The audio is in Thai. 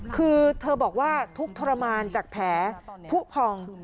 คือเธอบอกว่าทุกข์ทรมานจากแผลผู้พอง